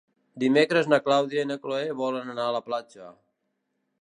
Dimecres na Clàudia i na Cloè volen anar a la platja.